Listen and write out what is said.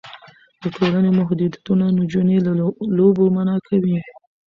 د ټولنې محدودیتونه نجونې له لوبو منع کوي.